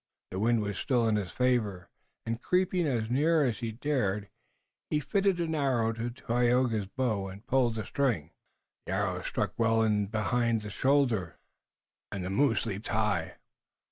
The wind was still in his favor, and, creeping as near as he dared, he fitted an arrow to Tayoga's bow and pulled the string. The arrow struck well in behind the shoulder and the moose leaped high.